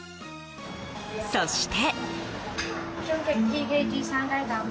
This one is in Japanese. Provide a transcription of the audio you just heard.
そして。